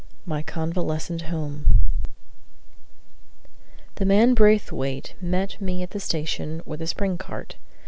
MY CONVALESCENT HOME The man Braithwaite met me at the station with a spring cart.